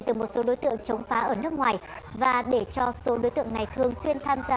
từ một số đối tượng chống phá ở nước ngoài và để cho số đối tượng này thường xuyên tham gia